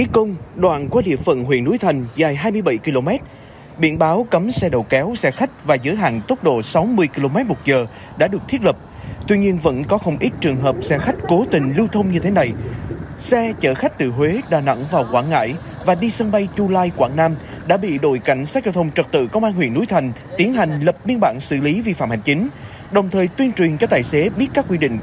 công an huyện núi thành ở thời điểm này đang tăng cường công tác tuần tra xử lý các phương tiện đi vào đường cấm và nhiều lỗi vi phạm khác